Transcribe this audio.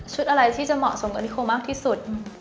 อะไรที่จะเหมาะสมกับนิโคมากที่สุด